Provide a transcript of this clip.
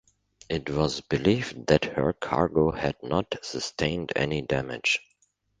It was believed that her cargo had not sustained any damage.